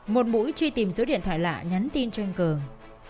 một mũi truy tìm số điện thoại lạ nhắn tin cho anh cường